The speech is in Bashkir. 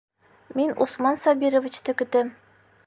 Мин Усман Сабировичты көтәм.